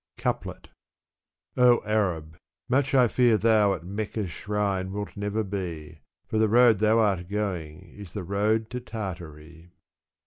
Couplet. O Arab! much I fear thou at Mecca's shrine wilt never be, For the road that thou art going is the road to Tartary.